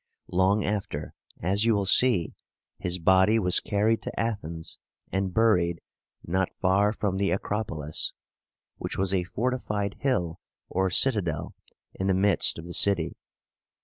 Long after, as you will see, his body was carried to Athens, and buried not far from the A crop´o lis, which was a fortified hill or citadel in the midst of the city.